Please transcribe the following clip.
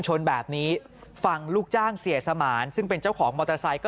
ชนแบบนี้ฝั่งลูกจ้างเสียสมานซึ่งเป็นเจ้าของมอเตอร์ไซค์ก็